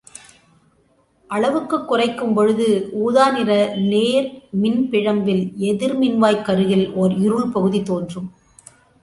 அளவுக்குக் குறைக்கும் பொழுது ஊதாநிற நேர் மின்பிழம்பில் எதிர் மின்வாய்க்கருகில் ஓர் இருள் பகுதி தோன்றும்.